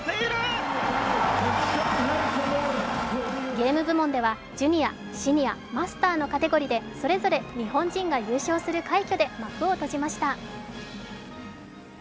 ゲーム部門ではジュニア・シニア・マスターのカテゴリーでそれぞれ日本人が優勝する快挙で幕を閉じました。